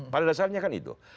pada dasarnya kan itu